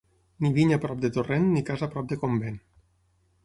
Ni vinya prop de torrent ni casa prop de convent.